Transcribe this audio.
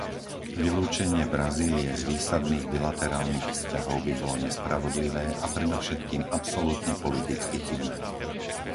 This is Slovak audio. Vylúčenie Brazílie z výsadných bilaterálnych vzťahov by bolo nespravodlivé a predovšetkým absolútne politicky chybné.